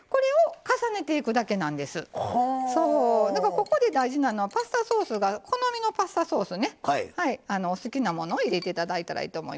ここで大事なのはパスタソースが好みのパスタソースねお好きなものを入れて頂いたらいいと思います。